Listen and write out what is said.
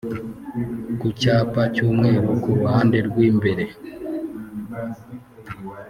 ku cyapa cy’umweru ku ruhande rw’imbere